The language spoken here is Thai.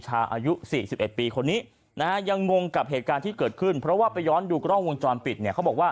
อายุ๔๑ปีคนนี้นะฮะยังงงกับเหตุการณ์ที่เกิดขึ้นเพราะว่าไปย้อนดูกล้องวงจรปิดเนี่ยเขาบอกว่า